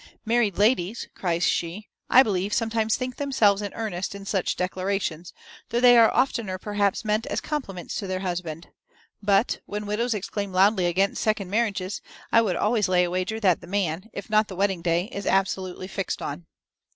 "Married ladies," cries she, "I believe, sometimes think themselves in earnest in such declarations, though they are oftener perhaps meant as compliments to their husbands; but, when widows exclaim loudly against second marriages, I would always lay a wager that the man, if not the wedding day, is absolutely fixed on."